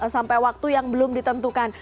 sampai waktu yang belum ditentukan